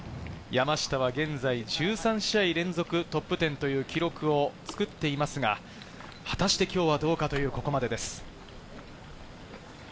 山下は現在１３試合連続トップテンという記録を作っていますが、果たして今日はどうかというここまでです。